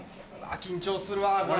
緊張するわこれ。